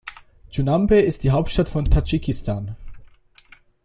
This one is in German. Duschanbe ist die Hauptstadt von Tadschikistan.